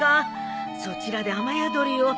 そちらで雨宿りを。